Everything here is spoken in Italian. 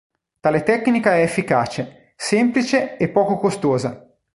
Tale tecnica è efficace, semplice e poco costosa.